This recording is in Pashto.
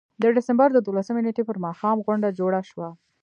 د ډسمبر د دولسمې نېټې پر ماښام غونډه جوړه شوه.